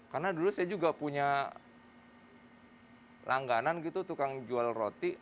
karena dulu saya juga punya langganan gitu tukang jual roti